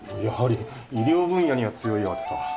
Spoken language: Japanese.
やはり医療分野には強いわけか。